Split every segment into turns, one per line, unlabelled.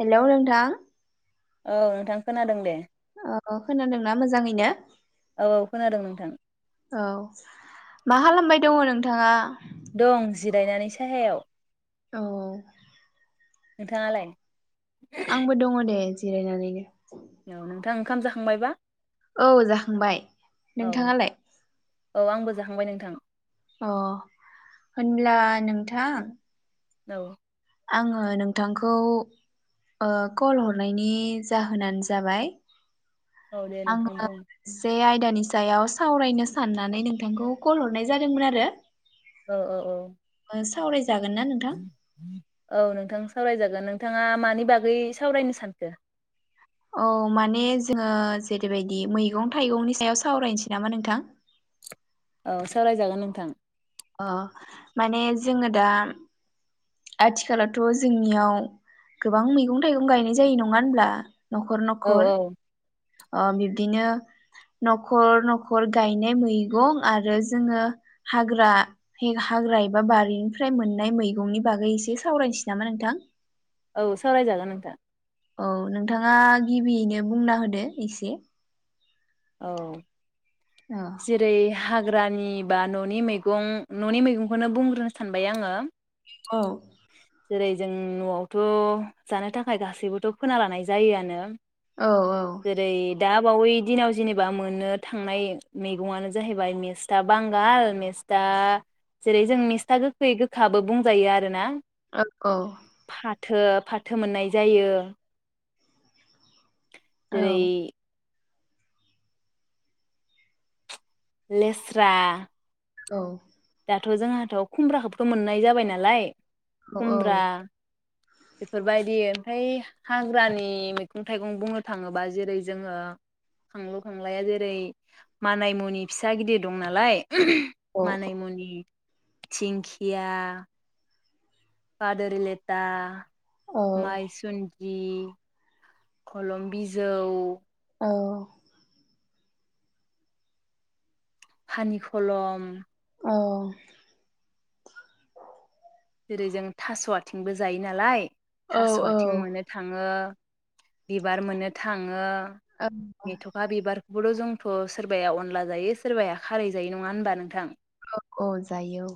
Hello नों थां
औ नोंथां खोनादों दे।
अ खोनादोंना मोजाङैनो?
औ औ खोनादों नोंथां।
औ मा खालामबाय दङ नोंथाङा?
दं जिरायनानै साहायाव।
औ।
नोंथाङालाय?
आंबो दङ दे। जिरायनानैनो।
औ नोंथां ओंखाम जाखांबायबा?
औ जाखांबाय
औ
नोंथाङालाय?
औ आंबो जाहांबाय नोंथां।
अ होनब्ला नोंथां
औ
आङो नोंथांखौ ओ कल हरनायनि जाहोनानो जाबाय
औ दे नोंथां
आङो
बुं
जे आइ दानि सायाव सावरायनो साननानै नोंथांखौ कल हरनाय जादोंमोन आरो।
औ औ औ
सावराय
औ नोंथां सावरायजागोन। नोंथाङा मानि बागै सावरायनो सानखो?
औ माने जोङो जेरैबायदि मैगं थाइगंनि सायाव सावरायनोसै नामा नोंथां?
औ सावरायजागोन नोंथां।
अ माने जोङो दा आथिखालावथ' जोंनियाव गोबां मैगं थाइगं गायनाय जायो नङा होनब्ला? न'खर
औ
न'खर
औ
ओ बिब्दिनो न'खर न'खर गायनाय मैगं आरो जोङो हाग्रा हाग्रा एबा बारिनिफ्राय मोननाय मैगंनि बागै एसे सावरायनोसै नामा नोंथां?
औ सावरायजागोन नोंथां।
औ नोंथाङा गिबियैनो बुंना होदो एसे।
औ
औ
जेरै हाग्रानि बा न'नि मैगं न'नि मैगंखौनो बुंग्रोनो सानबाय आङो।
औ
जेरै जों न'आवथ' जानो थाखाय गासैबोथ' फोना लानाय जायोयानो।
औ
जेरै दा वै दिनाव जेनेबा मोननो थांनाय मैगंआनो जाहैबाय मेस्था बांगाल मेस्था जेरै जों मेस्था गोखै गोखाबो बुंजायो आरोना।
[unintelligible]
थो फाथो मोननाय जायो।
औ
जेरै लेस्रा
औ
दाथ' जोंहाथ' खुमब्राखौबोथ' मोननाय जाबाय नालाय खुमब्रा बेफोरबायदि ओमफ्राय हाग्रानि मैगं थाइगं बुंनो थाङोबा जेरै जोङो खांलु खांलाया जेरै मानाय मुनि फिसा, गिदिर दं नालाय मानै मुनि धिंखिया फादोर लेथा
औ
माइसुन दि खलम बिजौ
औ
हानि खलम
औ
जेरै जों थास आथिंबो जायो नालाय
औ
थास
औ
आथिं मोननो थाङो बिबार मोननो थाङो
औ
मेथखा बिबार [unintelligible] जोंथ सोरबाया अनला जायो सोरबाया खारै जायो नङा होनबा नोंथां?
औ औ जायो औ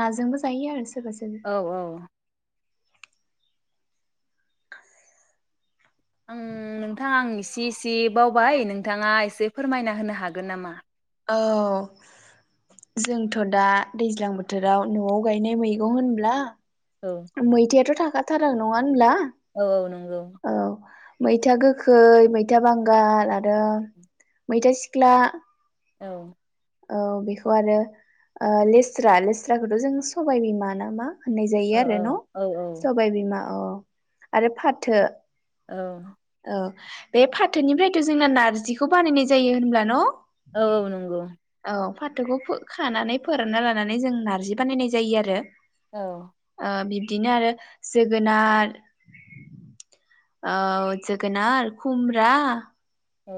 नाजोंबो जायो आरो सोरबा सोरबा
औ औ आं नोंथां आं इसे इस से बावबाय नोंथाङा एसे फोरमायना होनो हागोन नामा?
औ जोंथ दा दैज्लां बोथोराव नआव गायनाय मैगं होनब्ला
औ
मैथायाथ था खाथारो नङा होनब्ला?
औ औ नोंगौ।
औ मैथा गोखै, मैथा बांगाल आरो मैथा सिख्ला।
औ
औ बेखौ आरो ओ लेस्रा लेस्राखौथ जों सबाय बिमा नामा होननाय जायो
औ
आरो न
औ
सबाय बिमा अ आरो फाथो।
औ
औ बे फाथोनिफ्रायथ जोंना नारजिखौ बानायनाय जायो होनब्ला न?
औ औ नंगौ
औ फाथोखौ फो खानानै फोरानना लानानै जों नारजि बानायनाय जायो आरो।
औ
आ बिबदिनो आरो जोगोनार औ जोगोनार खुमब्रा
औ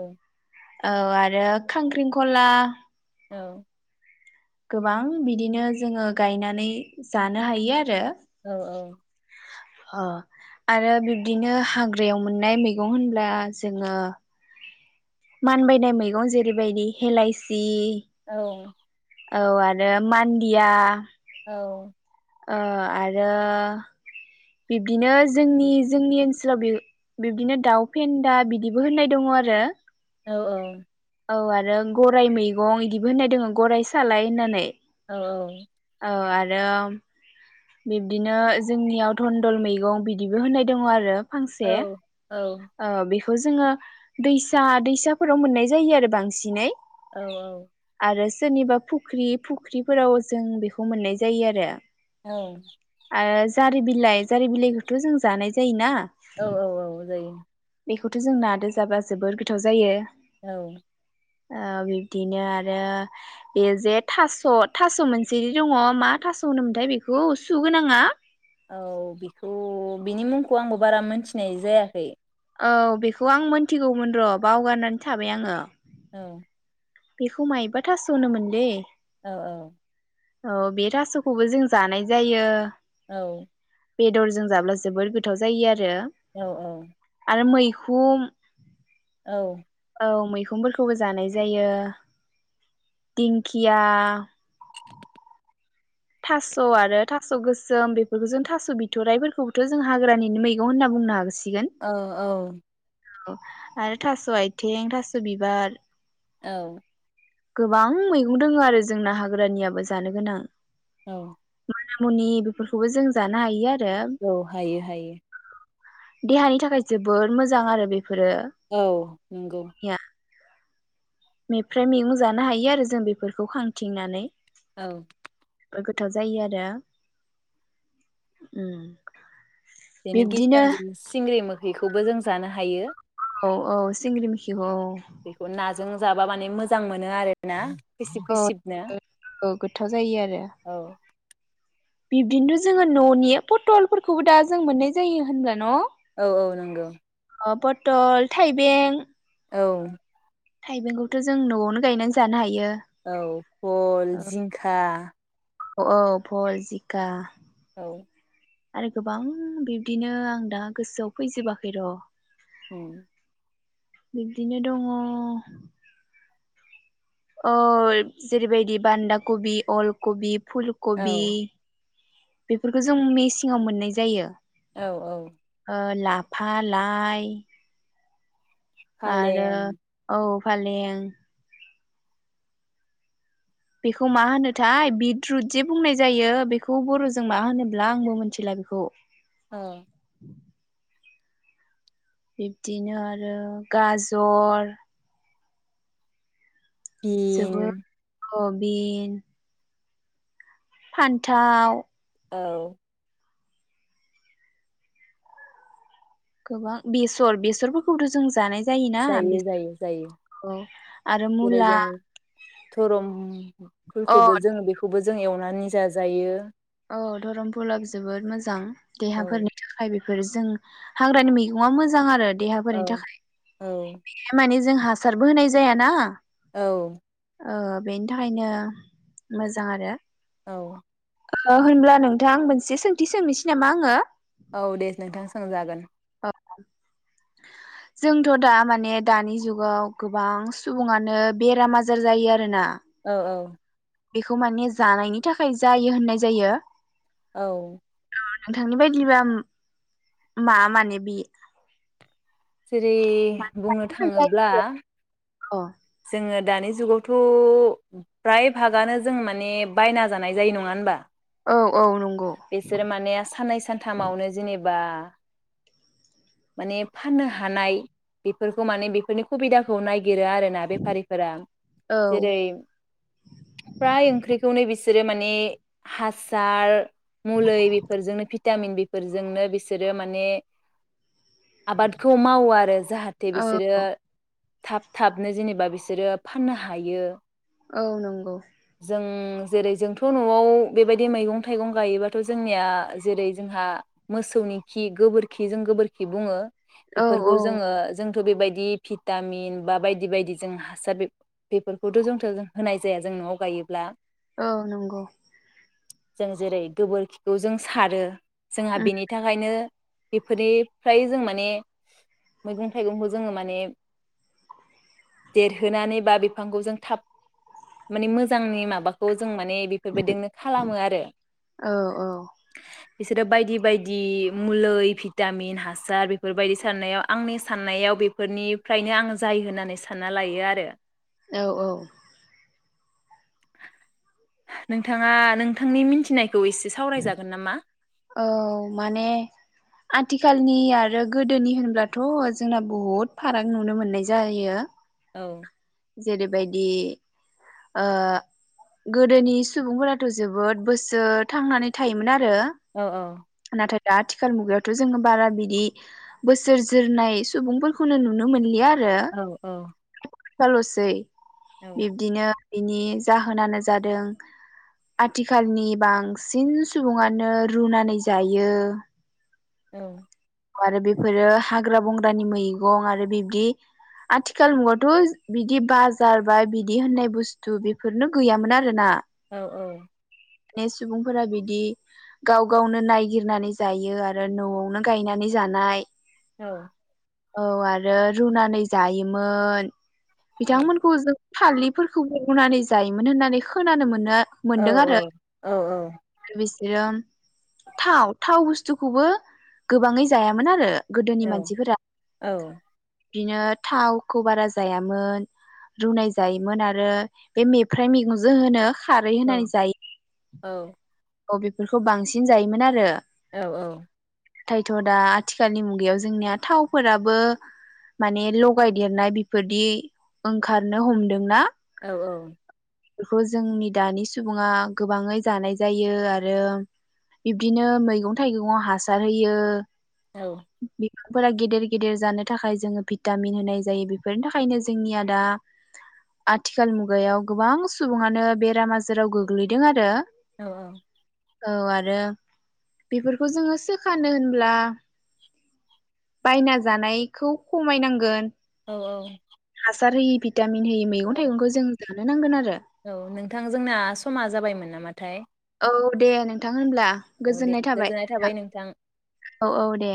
औ आरो खांख्रिंखला
औ
गोबां बिदिनो जोङो गायनानै जानो हायो आरो।
औ
अ आरो बिब्दिनो हाग्रायाव मोननाय मैगं होनब्ला जोङो मानबायनाय मैगं जेरैबायदि हेलायसि
औ
औ आरो मान्दिया
औ
अ आरो बिब्दिनो जोंनि जोंनि ओनसोलाव बि बिब्दिनो दाउ फेन्दा बिदिबो होननाय दङ आरो।
औ औ
औ आरो गराइ मैगं इदिबो होननाय दङो गराइ सालाय होननानै।
औ औ
औ आरो बिब्दिनो जोंनियाव टनडल मैगं बिदिबो होननाय दङ आरो
औ
फांसे
औ
ओ बे [unintelligible] जोङो दैसा दैसाफोराव मोननाय जायो आरो बांसिनै
औ औ।
आरो सोरनिबा फुख्रि फुख्रिफोराव जों बेखौ मोननाय जायो आरो
औ।
आरो जारि बिलाइ जारि बिलाइखौथ जों जानाय जायोना
औ औ औ जायो।
बेखौथ'जों नादो जाब्ला जोबोर गोथाव जायो
औ।
औ बिब्दिनो आरो बे जे थास थास मोनसे दङ' मा थास होनोमोनथाय बेखौ सुगोनाङा?
औ बेखौ बिनि मुंखौ आंबो बारा मोनथिनाय जायाखै।
औ बेखौ आं मोनथिगौमोन र बावगारनानै थाबाय आङो
औ।
बेखौ माइबा थास होनोमोनले
औ औ।
औ बे थासखौबो जों जानाय जायो
औ।
बेदरजों जाब्ला जोबोद गोथाव जायो आरो आरो मैखौ हुम
औ।
औ मैखंफोरखौबो जानाय जायो दिंखिया थास आरो थास गोसोम बेफोरखौ जों थास बिथराइफोरखौबोथ' जों हाग्रानिनो मैगं होनना बुंनो हागौसि
औ औ।
औ आरो थास आथिं थास बिबार
औ।
गोबां मैगं दोङो आरो जोंना हाग्रानियाबो जानो गोनां
औ।
माना मुनि बेफोरखौबो जों जानो हायो आरो
औ हायो हायो।
देहानि थाखाय जोबोर मोजां आरो बे
औ नंगौ।
मेफ्राय मैगं जानो हायो आरो जों बेफोरखौ खांथिंनानै
औ
गोथाव जायो आरो उम।
बेनि
बिब्दिनो
गेजेराव‌ जों सिंग्रि मोग खैखौबो जों जानो हायो
औ औ सिंग्रि मैखिखौ औ।
बेखौ ना जों जाबा माने मोजां मोनो आरोना खैसिब
औ
खैसिबनो
औ गोथाव जायो आरो।
औ
बिबदिनोथ' जोङो न'नि पटलफोरखौबो दा जों मोननाय जायो होनब्ला न?
औ औ नंगौ
अ पथल थाइबें
औ
थाइबेंखौथ जों नआवनो गायनानै जानो हायो
औ भल, जिंखा
औ भल जिखा
औ
आरो गोबां बिब्दिनो आं दा गोसोआव फैजोबाखै र
उम
बिब्दिनो दङ अ जेरैबायदि बान्दा कबि, अलकबि फुलकबि
औ
बेफोरखौ जों मेसेंआव मोननाय जायो
औ औ
फा लाइ आरो
फालें
औ फालें बेखौ मा होनोथाय बिदरुद जे बुंनाय जायो बेखौ बरजों मा होनोब्ला आंबो मिथिला बेखौ
औ
बिब्दिनो आरो गाजर
बिन
हबिन फान्थाव
औ
गोबां बेसर बेसरफोरखौथ जों जानाय जायोना
जायो जायो जायो
बेसरखौ आरो
जेरै
मुला
जों धरम
अ
फुलखौबो जोङो बेखौबो जा जों एवनानै जाजायो जायो
औ धरमपुला जोबोद मोजां
औ
देहाफोरनि थाखाय बेफोर बेफोर जों हाग्रानि मैगङा मोजां आरो
औ
देहाफोरनि
औ
थाखाय मानि जोंहा हासारबो होनाय जायाना
औ
ओ बेनि थाखायनो मोजां आरो
औ
ओ होनब्ला नोंथां मोनसे सोंथि सोंनोसै नामा आङो?
औ दे नोंथां सोंजागोन
अ जोंथ दा माने दानि जुगाव गोबां सुबुङानो बेराम आजार जायो आरो ना
औ
बेखौ माने जानायनि थाखाय जायो होननाय जायो
औ
ओ नोंथांनि बायदिब्ला मा माने बि
जेरै बुंनो थाङोब्ला
जायखिजाया अ
जोङो दानि जु जुगावथ' फ्राय भागानो जों माने बायना जानाय जायो नङा होनबा?
औ औ नं
बिसोरो माने साननै सानथामावनो जेनेब बा माने फाननो हानाय बेफोरखौ माने बेफोरनि खुबिदाखौ नाय गिरो आरोना बेफारिफोरा
औ
जेरै फ्राय ओंख्रिखौनो बिस जेरै माने हासार मुलै बेफोरजोंनो फि भिटामिन बिफोरजोंनो बिसोरो माने आबादखौ मावो आरो जाहाथे बिसोरो
औ
थाब थाबनो जेनेबा बिसोरो फाननो हायो।
औ नंगौ।
जों जेरै जोंथ' न'आव बेबायदि मैगं थाइगं गायोबाथ' जोंनिया जेरै जोंहा मोसौनि खि गोबोरखिजों गोबोर खि बुङो।
औ औ
बेफोरखौ जोङो जों बेबायदि भिटामिन बा बायदि बायदि जों हासार बेफ-बेफोरखौथ' जोंथ' जों होनाय जाया जों न'आव गायोब्ला।
औ नंगौ
जों जेरै गोबोरखिखौ जों सारो जोंहा
उम
बिनि थाखायनो बेफोरनि फ्राय जों माने मैगं थाइगंखौ जों माने देरहोनानै बा बिफांखौ जों थाब माने मोजांनि माबाखौ जों मान ने बेफोरबायदिनो खालामो आरो [unintelligible]
औ औ
बिसोरो बायदि बायदि मुलै भिटामिन हा सार बेफोरबायदि सारनायाव आंनि साननायाव बेफोरनिफ्रायनो आं जायो होननानै सानना लायो आरो।
औ औ
नोंथाङा नोंथांनि मिनथिनाय खौ एसे सावरायजागोन नामा?
औ माने आथिखालनि आरो गोदोनि होनब्लाथ' जोंना बहुद फाराग नुनो मोननाय जायो।
औ
जेरैबायदि [inaudible] गोदोनि सुबुंफोराथ' जोबोद बोसोर थांनानै थायोमोन आ रो
औ
नाथाय दा आथिखाल मुगायावथ' जोङो बारा बिदि बोसोर जोरनाय सुबुंफोरखौनो नुनो मोनलिया आ
औ औ।
फाल'सै।
औ
बिब्दिनो बिनि जाहोनानो जादों आथिखालनि बांसिन सुबुङानो रुनानै जायो।
औ।
आरो बेफोरो हाग्रा बंग्रानि मैगं आरो बिबदि आथिखाल मुगावथ बिदि बाजार बा बिदि होननाय बुस्थु बेफोरनो गैयामोन आरो ना।
औ औ।
ने सुबुंफोरा बिदि गाव गावनो नायगिरनानै जायो आरो न'आवनो गायनानै जानाय
औ।
औ आरो रुनानै जायोमोन।
औ
बिथांमोनखौ जों थालिफोरखौबो रुनानै जायोमोन होननानै खोनानो मोनो
औ
मोनदों
औ
आरो
औ औ।
बिसोरो थाव थाव बुस्थुखौबो गोबाङै जायामोन आरो। गोदोनि
औ
मानसिफोरा
औ
दिनो थावखौ बारा जायामोन रुनाय जायोमोन आरो बे मेफ्राइ मैगं जे होनो खारै होनानै जायो।
औ।
औ बेफोरखौ बांसिन जायोमोन आरो।
औ औ।
नाथायथ' दा आथिखालनि मुगायाव जोंनिया थावफोराबो माने लगायदेरनाय बेफोरदि ओंखारनो हमदोंना।
औ।
बेखौ जोंनि दानि सुबुङा गोबाङै जानाय जायो आरो बिब्दिनो मैगं थाइगंआव हासार होयो।
औ।
फोरा गेदेर गेदेर जानो थाखाय जोङो भिटामिन होनाय जायो बेफोरनि थाखायनो जोंनिया दा आथिखाल मुगायाव गोबां सुबुङानो बेराम आजाराव गोग्लैदों आरो।
औ औ।
औ आरो बेफोरखौ जोङो सोखानो होनब्ला बायना जानायखौ खमायनांगोन।
औ औ।
जारै बिद भिटामिन होयो मैगं थायगं जों जानो नांगोन आरो।
औ नोंथां जोंना समा जाबायमोन नामाथाय?
औ दे नोंथां। मा होनब्ला गोजोननाय थाबाय नोंथां औ औ दे।